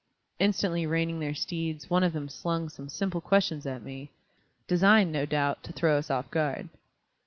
Instantly reining their steeds, one of them slung some simple questions at me, designed, no doubt, to throw us off guard.